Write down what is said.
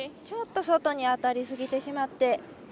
ちょっと外に当たりすぎてしまって。